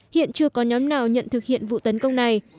hiện chưa có nhóm nào nhận thực hiện vụ tấn công này